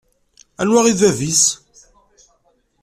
Anwa i d bab-is?